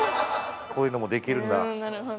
こういうのもできるんだ。